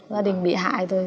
gia đình bị hại rồi